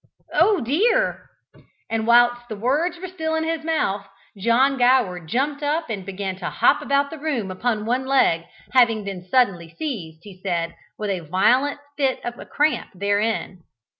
oh, dear!" and whilst the words were still in his mouth, John Gower jumped up and began to hop about the room upon one leg, having been suddenly seized, he said, with a violent fit of cramp therein.